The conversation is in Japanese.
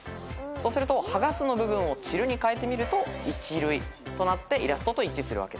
そうすると「はがす」の部分を「ちる」にかえてみると「いちるい」となってイラストと一致するわけです。